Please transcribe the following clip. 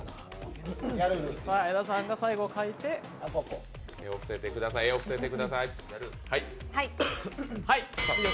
矢田さんが最後、描いて絵を見せてください。